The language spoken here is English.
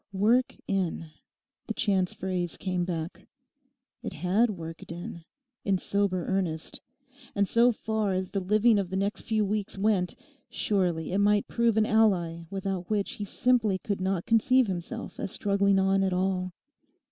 'Work in,' the chance phrase came back. It had worked in in sober earnest; and so far as the living of the next few weeks went, surely it might prove an ally without which he simply could not conceive himself as struggling on at all.